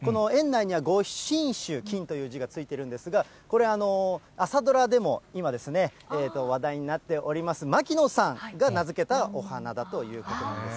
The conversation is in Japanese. この園内には５品種、金という字が付いてるんですが、これ、朝ドラでも今ですね、話題になっております、牧野さんが名付けたお花だということなんです。